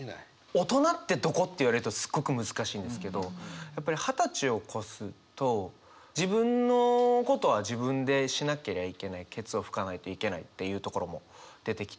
「大人ってどこ」って言われるとすごく難しいんですけどやっぱり二十歳を超すと自分のことは自分でしなけりゃいけないけつを拭かないといけないっていうところも出てきて。